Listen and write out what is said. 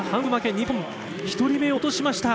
日本、１人目を落としました。